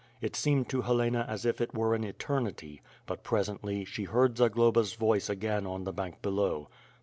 It seemed to Helena as it were an eternity, but presently, she heard Zagloba's voice again on the bank below.